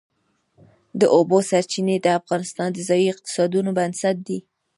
د اوبو سرچینې د افغانستان د ځایي اقتصادونو بنسټ دی.